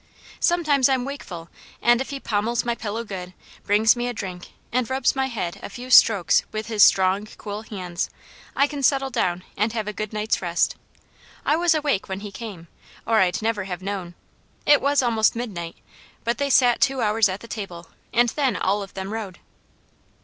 Sometimes I'm wakeful, and if he pommels my pillow good, brings me a drink, and rubs my head a few strokes with his strong, cool hands, I can settle down and have a good night's rest. I was awake when he came, or I'd never have known. It was almost midnight; but they sat two hours at the table, and then all of them rode."